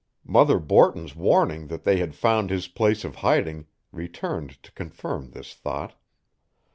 Mother Borton's warning that they had found his place of hiding returned to confirm this thought.